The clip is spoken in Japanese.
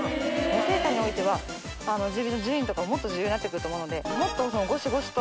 野生下においては自分の順位とかもっと重要になって来ると思うのでもっとゴシゴシ。